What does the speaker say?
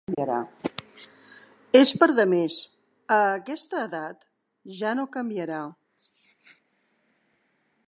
És per demés, a aquesta edat ja no canviarà.